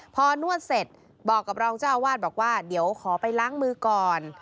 พอนวดเสร็จบอกกับรองเจ้าอาวาสบอกว่าเดี๋ยวขอไปล้างมือก่อน